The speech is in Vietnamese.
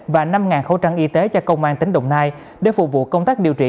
và năm khẩu trang y tế cho công an tỉnh đồng nai để phục vụ công tác điều trị